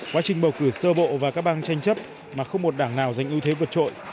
quá trình bầu cử sơ bộ và các bang tranh chấp mà không một đảng nào giành ưu thế vượt trội